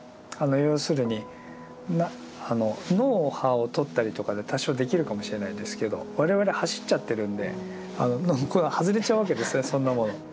要するに脳波をとったりとかで多少できるかもしれないんですけど我々走っちゃってるんで外れちゃうわけですねそんなもの。